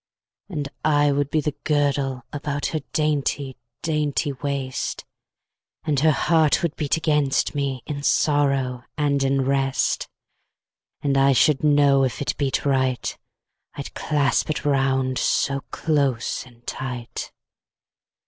And I would be the girdle About her dainty dainty waist, And her heart would beat against me, In sorrow and in rest: 10 And I should know if it beat right, I'd clasp it round so close and tight.